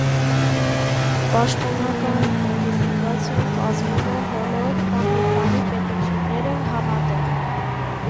Պաշտոնական կոդիֆիկացիան կազմում են բոլոր (կամ մի քանի) պետությունները համատեղ։